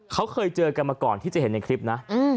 เขาเคยเจอกันมาก่อนที่จะเห็นในคลิปนะ